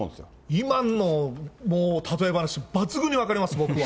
今のもう例え話、抜群に分かります、僕は。